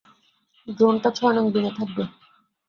ড্রোনটা ছয় নং বিনে থাকবে।